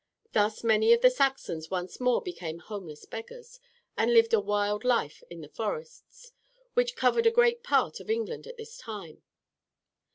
Thus many of the Saxons once more became homeless beggars, and lived a wild life in the forests, which covered a great part of England at this time.